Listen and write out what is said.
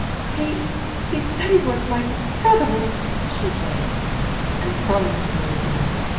"'He he said he was my brother!' she wailed, and clung to me again.